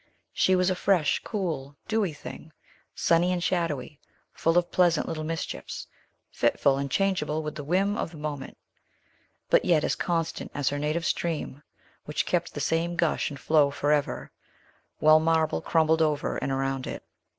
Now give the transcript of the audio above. She was a fresh, cool, dewy thing, sunny and shadowy, full of pleasant little mischiefs, fitful and changeable with the whim of the moment, but yet as constant as her native stream, which kept the same gush and flow forever, while marble crumbled over and around it.